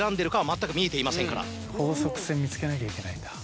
法則性見つけなきゃいけないんだ。